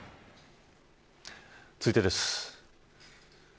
続いてです。